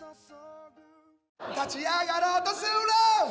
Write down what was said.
「立ち上がろうとする」